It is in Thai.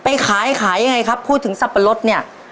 ไปขายขายยังไงครับพูดถึงสับปะรดเนี่ย